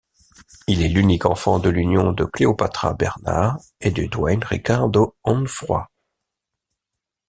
Il est l'unique enfant de l'union de Cleopatra Bernard et de Dwayne Ricardo Onfroy.